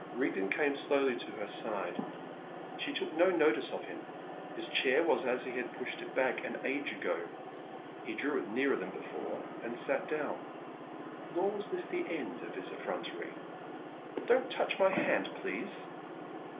Rigden came slowly to her side. She took no notice of him. His chair was as he had pushed it back an age ago; he drew it nearer than before, and sat down. Nor was this the end of his effrontery. "Don't touch my hand, please!"